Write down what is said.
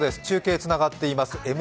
中継がつながっています。